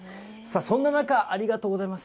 そんな中、ありがとうございます。